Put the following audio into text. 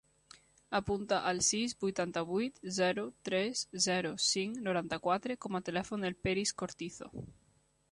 Apunta el sis, vuitanta-vuit, zero, tres, zero, cinc, noranta-quatre com a telèfon del Peris Cortizo.